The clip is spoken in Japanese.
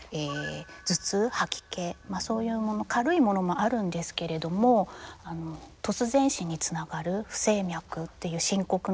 頭痛吐き気そういうもの軽いものもあるんですけれども突然死につながる不整脈っていう深刻なものまであります。